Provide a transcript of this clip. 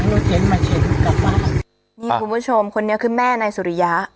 รถเข็นมาเข็นกลับบ้านนี่คุณผู้ชมคนนี้คือแม่นายสุริยะ